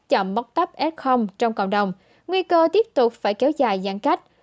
chậm móc tắp s trong cộng đồng nguy cơ tiếp tục phải kéo dài giãn cách